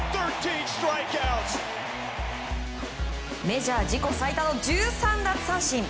メジャー自己最多の１３奪三振！